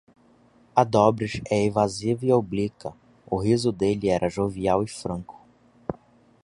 A dobrez é evasiva e oblíqua; o riso dele era jovial e franco.